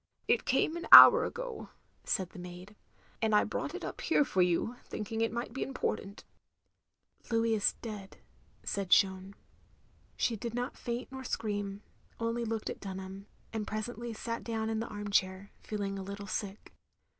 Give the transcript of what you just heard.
"It came an hour ago," said the maid, "and I brought it up here for you, thinking it might be important." "— ^Louis is dead, " said Jeanne. She did not faint nor scream, only looked at Dtmham; and presently sat down in the arm chair, feeling a little sick.